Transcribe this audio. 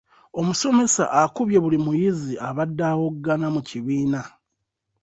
Omusomesa akubye buli muyizi abadde awoggana mu kibiina.